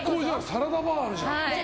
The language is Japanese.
サラダバーあるじゃん。